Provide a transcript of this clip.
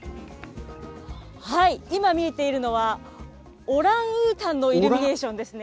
今見えているのは、オランウータンのイルミネーションですね。